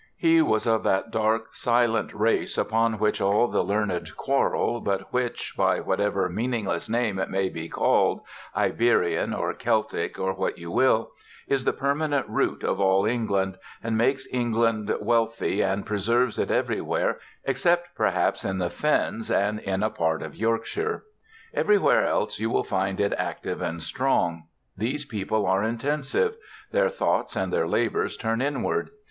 He was of that dark silent race upon which all the learned quarrel, but which, by whatever meaningless name it may be called Iberian, or Celtic, or what you will is the permanent root of all England, and makes England wealthy and preserves it everywhere, except perhaps in the Fens and in a part of Yorkshire. Everywhere else you will find it active and strong. These people are intensive; their thoughts and their labors turn inward.